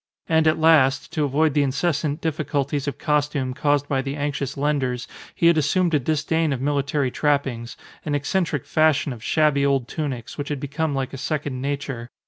And at last, to avoid the incessant difficulties of costume caused by the anxious lenders, he had assumed a disdain of military trappings, an eccentric fashion of shabby old tunics, which had become like a second nature.